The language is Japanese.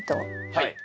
はい。